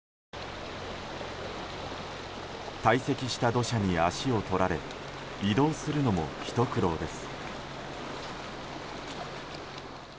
堆積した土砂に足を取られ移動するのも、ひと苦労です。